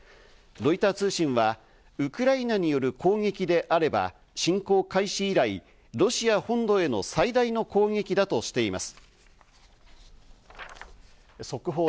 ロイター通信はウクライナによる攻撃であれば侵攻開始以来、ロシア本土への最大の攻撃だとしています。